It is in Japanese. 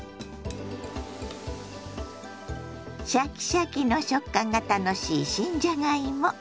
シャキシャキの食感が楽しい新じゃがいも。